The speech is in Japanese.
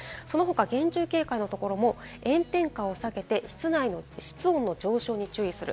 厳重警戒のところも炎天下を避けて室温の上昇に注意する。